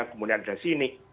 kemudian ada sinic